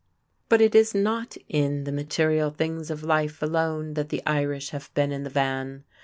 But it is not in the material things of life alone that the Irish have been in the van.